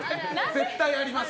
絶対あります。